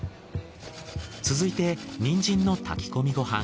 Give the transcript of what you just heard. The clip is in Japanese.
続いてニンジンの炊き込みご飯。